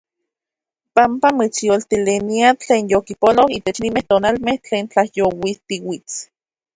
Panpa mitsyoltelinia tlen yokipolo itech ninmej tonalmej tlen tlayouijtiuits.